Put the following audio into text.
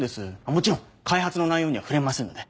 もちろん開発の内容には触れませんので。